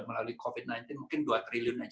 melalui covid sembilan belas mungkin dua triliun aja